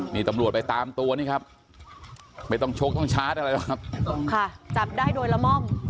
มีตำรวจไปตามตัวนี่ครับไม่ต้องชกไม่ต้องชาร์จอะไรพาจำได้โดยละม่อง